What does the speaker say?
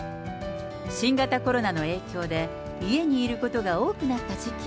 新型コロナの影響で、家にいることが多くなった時期。